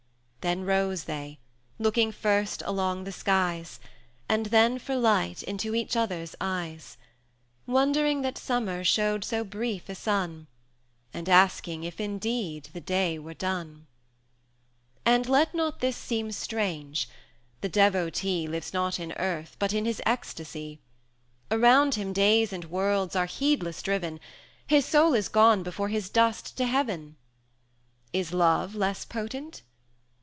Then rose they, looking first along the skies, And then for light into each other's eyes, Wondering that Summer showed so brief a sun, And asking if indeed the day were done. XVI. And let not this seem strange: the devotee 370 Lives not in earth, but in his ecstasy; Around him days and worlds are heedless driven, His Soul is gone before his dust to Heaven. Is Love less potent?